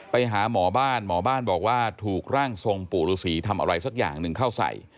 ไปหาหมอบ้านหมอบ้านบอกว่าถูกร่างทรงปู่ฤษีทำอะไรสักอย่างหนึ่งเข้าใส่